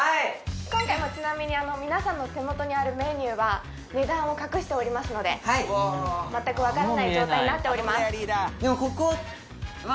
今回ちなみに皆さんの手元にあるメニューは値段を隠しておりますので全くわからない状態になっております